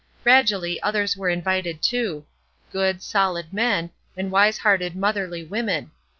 Gradually others were invited too good, solid men, and wise hearted, motherly women.